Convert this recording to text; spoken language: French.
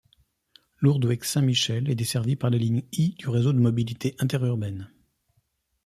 Lourdoueix-Saint-Michel est desservie par la ligne I du Réseau de mobilité interurbaine.